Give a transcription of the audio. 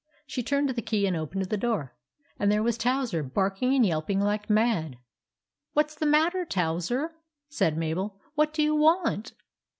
She turned the key and opened the door, and there was Towser barking and yelping like mad. "What's the matter, Towser?" said Mabel. " What do you want?"